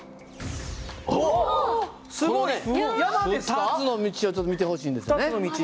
２つの道をちょっと見てほしいんですよね。